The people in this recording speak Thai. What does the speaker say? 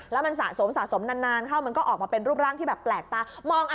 แล้วมันสะสมสะสมนานเข้ามันก็ออกมาเป็นรูปร่างที่แบบแปลกตามอง